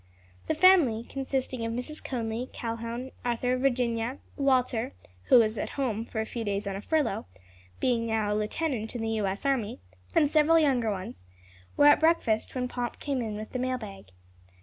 The family consisting of Mrs. Conly, Calhoun, Arthur, Virginia, Walter (who was at home for a few days on a furlough, being now a lieutenant in the U. S. Army), and several younger ones were at breakfast when Pomp came in with the mail bag.